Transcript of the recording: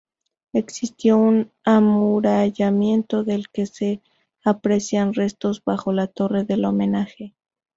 Existió un amurallamiento del que se aprecian restos bajo la torre del homenaje.